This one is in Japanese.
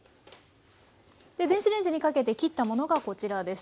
電子レンジにかけて切ったものがこちらです。